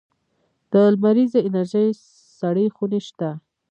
د لمریزې انرژۍ سړې خونې شته؟